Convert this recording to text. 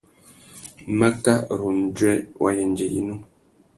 Makâ râ undjuê wa yêndzê yinú.